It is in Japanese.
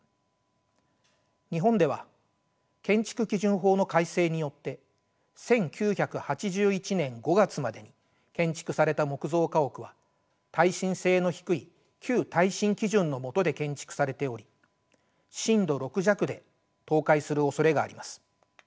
日本では建築基準法の改正によって１９８１年５月までに建築された木造家屋は耐震性の低い旧耐震基準のもとで建築されており震度６弱で倒壊するおそれがあります。